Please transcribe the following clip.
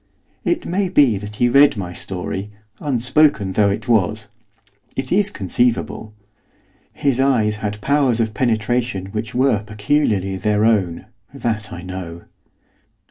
It may be that he read my story, unspoken though it was, it is conceivable. His eyes had powers of penetration which were peculiarly their own, that I know.